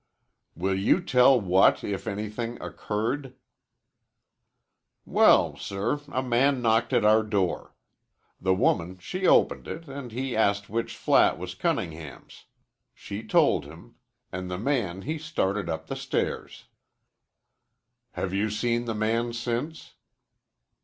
"Will you tell what, if anything, occurred?" "Well, sir, a man knocked at our door. The woman she opened it, an' he asked which flat was Cunningham's. She told him, an' the man he started up the stairs." "Have you seen the man since?"